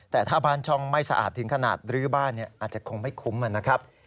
แต่ถ้าบ้านช่องไม่สะอาดถึงขนาดรื้อบ้านอาจจะคงไม่คุ้มนะครับ